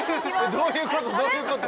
どういうこと？